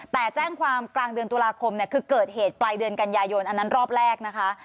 แต่แจ้งความกลางเดือนตุลาคมเนี่ยคือเกิดเหตุปลายเดือนกันยายนอันนั้นรอบแรกนะคะ